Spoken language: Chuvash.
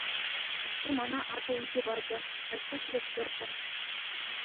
Атте мана атӑ илсе пачӗ, пальто ҫӗлеттерчӗ.